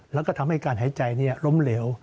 แล้วก็ทำให้การหายใจล้มเหลว